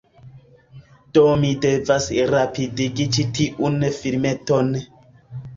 Do mi devas rapidigi ĉi tiun filmeton.